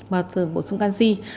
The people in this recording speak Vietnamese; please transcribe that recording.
mà thường bổ sung canxi